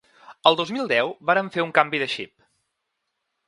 El dos mil deu vàrem fer un canvi de xip.